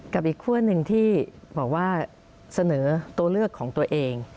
กับอีกขั้วหนึ่งที่บอกว่าเสนอตัวเลือกของตัวเอง